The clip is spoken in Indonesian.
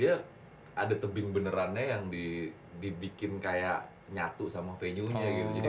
dia ada tebing benerannya yang dibikin kayak nyatu sama venuenya gitu